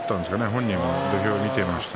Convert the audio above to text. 本人、土俵を見ていました。